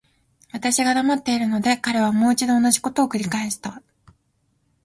私が黙っているので、彼はもう一度同じことを繰返した。